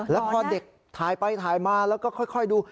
แล้วพอเด็กถ่ายไปถ่ายมาแล้วก็ค่อยดู